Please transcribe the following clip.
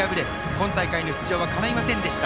今大会の出場はかないませんでした。